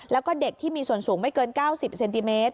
แล้วก็เด็กที่มีส่วนสูงไม่เกิน๙๐เซนติเมตร